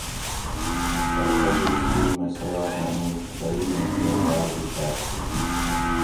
پرہ پبلِک سکول مئ سباٞق منُوگ غریبیں کیر باٞر بِکھاٞر تھی